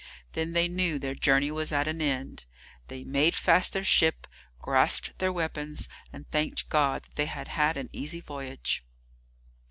Then they knew their journey was at an end; they made fast their ship, grasped their weapons, and thanked God that they had had an easy voyage.